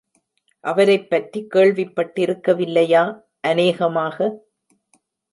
அவரைப் பற்றி கேள்விப்பட்டிருக்கவில்லையா, அநேகமாக?